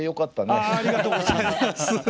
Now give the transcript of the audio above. ありがとうございます。